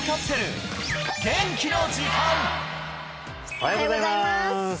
おはようございます